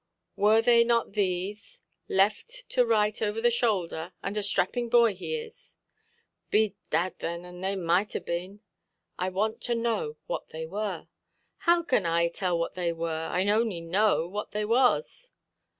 "Were they not these—ʼLeft to right over the shoulder, and a strapping boy he is?'" "Bedad thin, and they might have been". "I want to know what they were". "How can I tell what they were? I only know what they was".